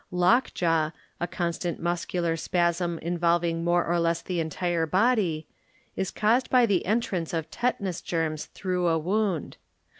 Lockjaw, a constant muscular spasm involving more or less the entire body. is caused by the entrance of tetanus germs through a wound.